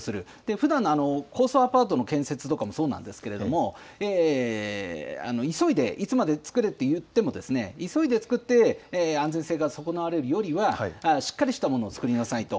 ふだんの高層アパートの建設なんかもそうなんですけれども、急いで、いつまでに作れといってもですね、急いで作って、安全性が損なわれるよりは、しっかりしたものを作りなさいと。